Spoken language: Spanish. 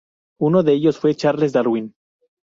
Uno de ellos fue Charles Darwin.